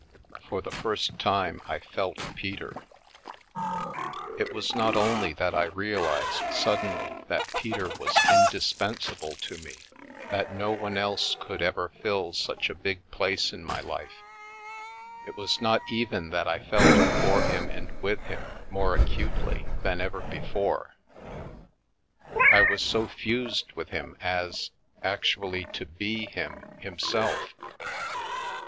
For the first time I felt Peter. It was not only that I realised suddenly that Peter was indispensable to me, that no one else could ever fill such a big place in my life, it was not even that I felt for him and with him more acutely than ever be 270 I Begin to Understand fore; I was so fused with him as, actually to be him, himself.